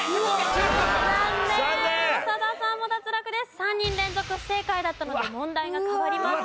３人連続不正解だったので問題が変わります。